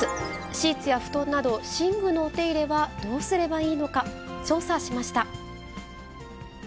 シーツや布団など、寝具のお手入れはどうすればいいのか、調査しました。